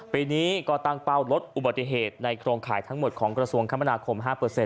ปีนี้ก็ตั้งเป้าลดอุบัติเหตุในโครงข่ายทั้งหมดของกระทรวงคมนาคม๕